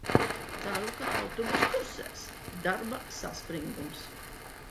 Ceru, ka autobuss kursēs... Darbā saspringums.